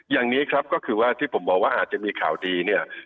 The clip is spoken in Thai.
อย่างนี้ครับก็คือว่าที่ผมบอกว่าอาจจะมีข่าวดีเนี่ย